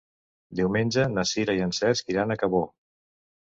Diumenge na Sira i en Cesc iran a Cabó.